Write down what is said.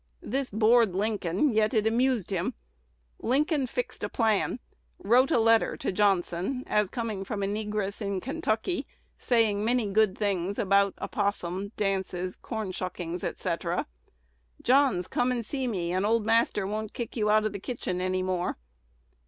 This bored Lincoln, yet it amused him. Lincoln fixed a plan, wrote a letter to Johnson as coming from a negress in Kentucky, saying many good things about opossum, dances, corn shuckings, &c. 'John's! come and see me; and old master won't kick you out of the kitchen any more!'